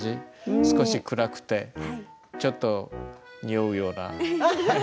少し暗くてちょっとにおうような。